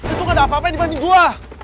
itu gak ada apa apa yang dibanding gue